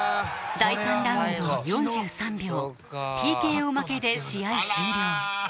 第３ラウンド４３秒ＴＫＯ負けで試合終了